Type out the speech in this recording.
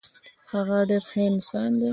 هغه ډیر ښه انسان دی.